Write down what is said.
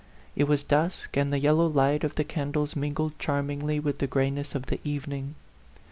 It was dusk, and the yellow light of the candles mingled charmingly with the gray ness of the evening.